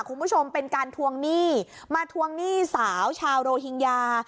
คุณผู้ชมเป็นการทวงหนี้มาทวงหนี้สาวชาวโรฮิงญา